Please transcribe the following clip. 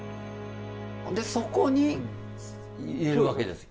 ほんでそこに入れるわけですか？